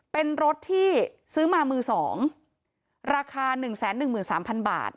เป็นรถที่ซื้อมามือ๒ราคา๑๑๓๐๐๐บาท